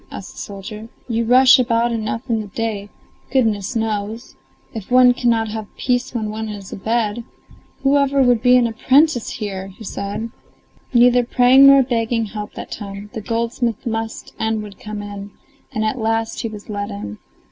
asked the soldier. "You rush about enough in the day, goodness knows! If one cannot have peace when one is in bed, whoever would be an apprentice here?" said he. Neither praying nor begging helped that time; the goldsmith must and would come in, and at last he was let in.